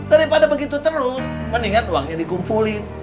daripada begitu terus mendingan uangnya dikumpulin